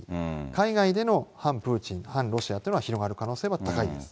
海外での反プーチン、反ロシアというのは広がる可能性は高いです。